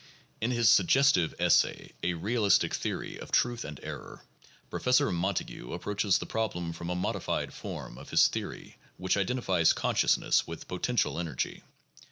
In his suggestive essay, '' a Realistic Theory of Truth and Error, '' Professor Montague approaches the problem from a modified form of his theory which identifies consciousness with potential energy.